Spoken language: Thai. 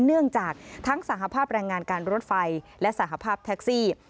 เนื่องจากทั้งสหภาพแรงงานการรถไฟและสหภาพแท็กซี่